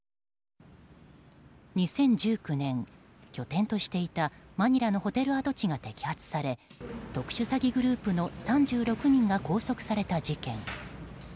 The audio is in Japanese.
２０１９年、拠点としていたマニラのホテル跡地が摘発され特殊詐欺グループの３６人が拘束された事件。